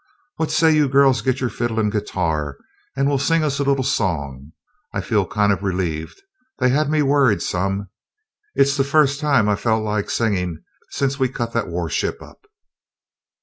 What say you girls get your fiddle and guitar and we'll sing us a little song? I feel kind of relieved they had me worried some it's the first time I've felt like singing since we cut that warship up."